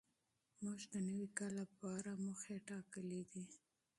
موږ د نوي کال لپاره اهداف ټاکلي دي.